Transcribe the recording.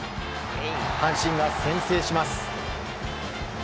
阪神が先制します。